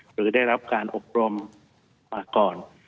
หรือได้รับการอบรมมาก่อน